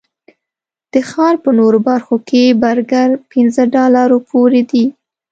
د ښار په نورو برخو کې برګر پنځه ډالرو پورې دي.